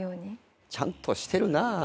ちゃんとしてるな。